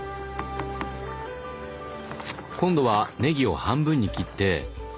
今度はねぎを半分に切ってああ